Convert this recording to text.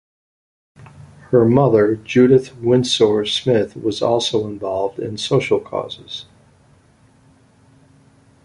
Her mother Judith Winsor Smith was also involved in social causes.